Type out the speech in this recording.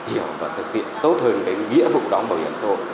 hiểu và thực hiện tốt hơn công tác bảo hiểm xã hội